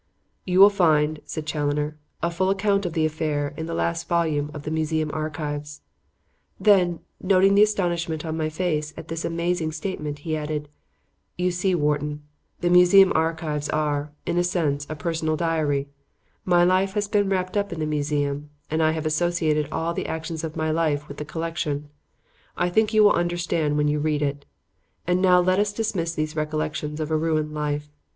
"You will find," said Challoner, "a full account of the affair in the last volume of the 'Museum Archives';" then, noting the astonishment on my face at this amazing statement, he added: "You see, Wharton, the 'Museum Archives' are, in a sense, a personal diary; my life has been wrapped up in the museum and I have associated all the actions of my life with the collection. I think you will understand when you read it. And now let us dismiss these recollections of a ruined life.